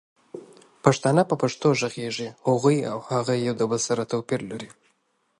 پښتانه په پښتو غږيږي هغوي او هغه يو بل سره توپير لري